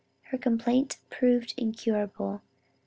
Her complaint proved incurable.